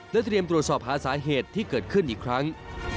และเตรียมตรวจสอบหาสาเหตุที่เกิดขึ้นอีกครั้ง